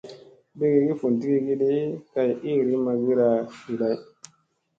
Bigigi vundigigi kay iiri magira ɗi lay.